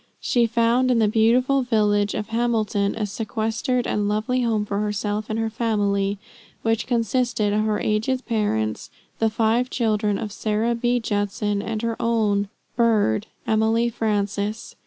She found in the beautiful village of Hamilton a sequestered and lovely home for herself and her family, which consisted of her aged parents, the five children of Sarah B. Judson, and her own "bird," Emily Frances.